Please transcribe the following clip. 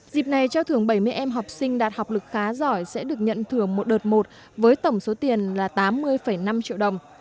dịp này trao thưởng bảy mươi em học sinh đạt học lực khá giỏi sẽ được nhận thưởng một đợt một với tổng số tiền là tám mươi năm triệu đồng